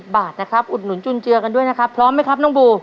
บาทนะครับอุดหนุนจุนเจือกันด้วยนะครับพร้อมไหมครับน้องบู